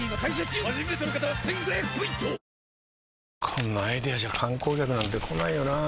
こんなアイデアじゃ観光客なんて来ないよなあ